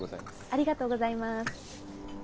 ありがとうございます。